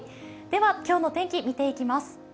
では、今日の天気見ていきます。